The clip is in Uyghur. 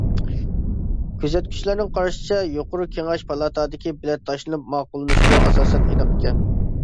كۆزەتكۈچىلەرنىڭ قارىشىچە يۇقىرى كېڭەش پالاتادىكى بېلەت تاشلىنىپ ماقۇللىنىشىمۇ ئاساسەن ئېنىق ئىكەن.